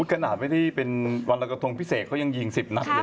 ขนาดไม่ได้เป็นวันรอยกระทงพิเศษเขายังยิง๑๐นัดเลย